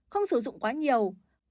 không sử dụng quá nhiều